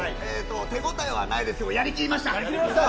手応えはないですけどやりきりました。